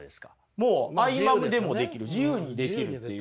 もう合間にでもできる自由にできるっていうね。